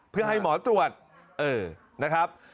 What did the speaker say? เพื่อให้หมอตรวจเออนะครับ